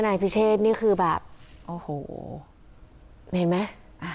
นายพิเชษนี่คือแบบโอ้โหเห็นไหม